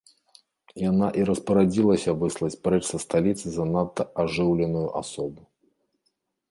Яна і распарадзілася выслаць прэч са сталіцы занадта ажыўленую асобу.